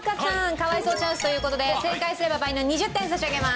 可哀想チャンスという事で正解すれば倍の２０点差し上げます。